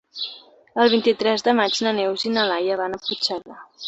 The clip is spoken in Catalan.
El vint-i-tres de maig na Neus i na Laia van a Puigcerdà.